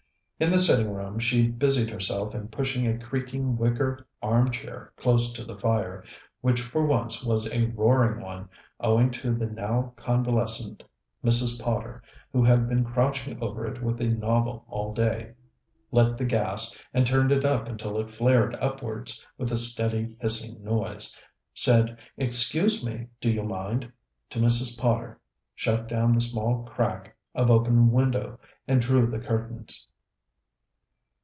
In the sitting room she busied herself in pushing a creaking wicker arm chair close to the fire which for once was a roaring one, owing to the now convalescent Mrs. Potter, who had been crouching over it with a novel all day lit the gas, and turned it up until it flared upwards with a steady, hissing noise; said "Excuse me; do you mind?" to Mrs. Potter; shut down the small crack of open window, and drew the curtains.